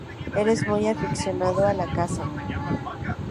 eres muy aficionado a la caza